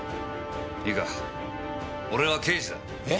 いいか俺は刑事だ。えっ！？